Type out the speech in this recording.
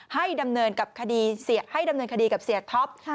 ให้ดำเนินคดีกับเสียท็อป